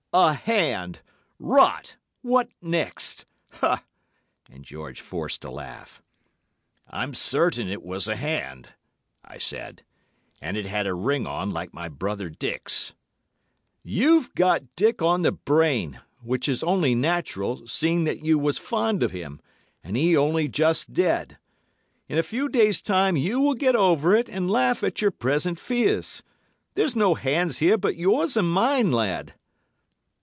"'A hand! Rot. What next?' And George forced a laugh. "'I'm certain it was a hand,' I said, 'and it had a ring on like my brother Dick's.' "'You've got Dick on the brain, which is only natural, seeing that you was fond of him, and he only just dead. In a few days' time you will get over it and laugh at your present fears. There's no hands here but yours and mine, lad!